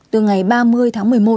từ ngày ba mươi tháng một mươi một